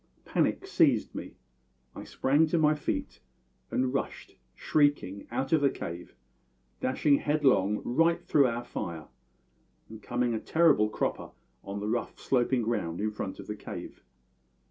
Panic seized me; I sprang to my feet and rushed, shrieking, out of the cave, dashing headlong right through our fire, and coming a terrible cropper on the rough, sloping ground in front of the cave.